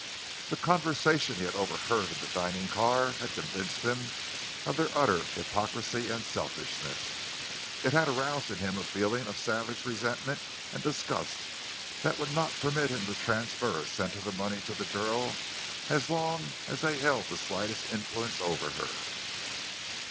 The conversation he had overheard in the dining car had convinced him of their utter hypocrisy and selfishness; it had aroused in him a feeling of savage resentment and disgust that would not permit him to transfer a cent of the money to the girl as long as they held the slightest influence over her.